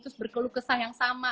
terus berkeluh kesan yang sama